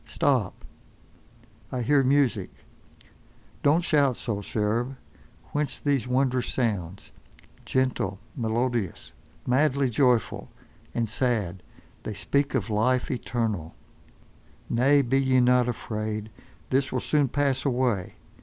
Stop! I hear music. Don't shout so, cherub. Whence these wondrous sounds? Gentle, melodious, madly joyful, and sad, they speak of life eternal—— Nay, be ye not afraid. This will soon pass away.